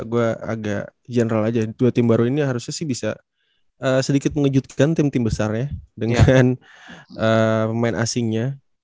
gue agak general aja dua tim baru ini harusnya sih bisa sedikit mengejutkan tim tim besarnya dengan pemain asingnya